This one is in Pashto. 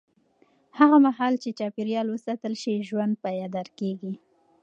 هغه مهال چې چاپېریال وساتل شي، ژوند پایدار کېږي.